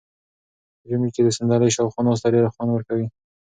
په ژمي کې د صندلۍ شاوخوا ناسته ډېر خوند ورکوي.